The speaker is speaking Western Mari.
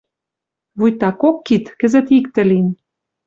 Вуйта кок кид кӹзӹт иктӹ лин.